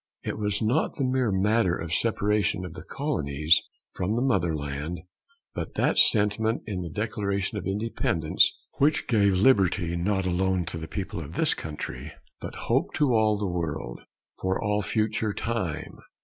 It was not the mere matter of separation of the colonies from the motherland, but that sentiment in the Declaration of Independence which gave liberty not alone to the people of this country, but hope to all the world, for all future time.